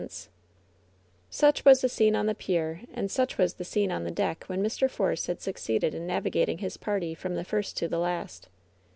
LOVE'S BITTEREST CUP 177 Such was the scene on the pier and such was the scene on the deck when Mr. Force had succeeded in navigating his party from the first to the last.